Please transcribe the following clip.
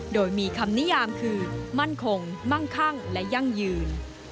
โดยมีคำนิยามคือมั่นคงมั่งคั่งและยั่งยืน